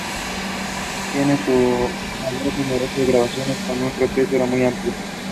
Tiene en su haber numerosas grabaciones con un repertorio muy amplio.